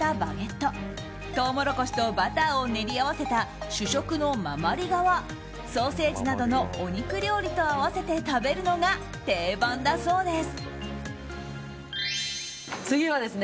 トウモロコシとバターを練り合わせた主食のママリガはソーセージなどのお肉料理と合わせて食べるのが定番だそうです。